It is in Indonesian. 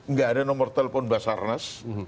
nggak ada nomor telepon basarnas